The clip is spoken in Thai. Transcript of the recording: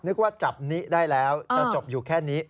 นึกว่าจับนิได้แล้วจะจบอยู่แค่นี้